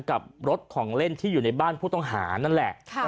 กับรถของเล่นที่อยู่ในบ้านผู้ต้องหานั่นแหละ